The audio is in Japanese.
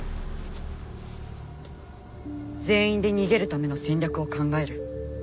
全員で逃げるための戦略を考える。